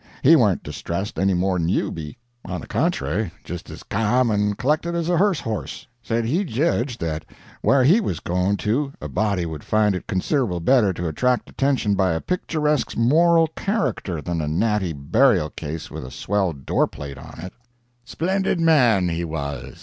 He warn't distressed any more than you be on the contrary, just as ca(,)'m and collected as a hearse horse; said he judged that wher' he was going to a body would find it considerable better to attract attention by a picturesque moral character than a natty burial case with a swell door plate on it. "Splendid man, he was.